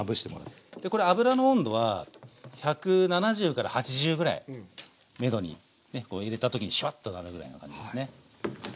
油の温度は１７０から８０ぐらいめどにねこう入れた時にシュワッとなるぐらいの感じですね。